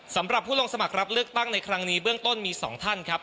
สำหรับผู้ลงสมัครรับเลือกตั้งในครั้งนี้เบื้องต้นมี๒ท่านครับ